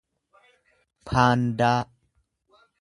paandaa